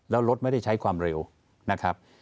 แล้วรถไม่ได้ใช้ความเร็วนะครับ